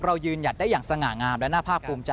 เรายืนหยัดได้อย่างสง่างาม